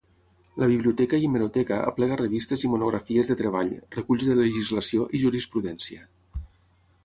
La biblioteca i hemeroteca aplega revistes i monografies de treball, reculls de legislació i jurisprudència.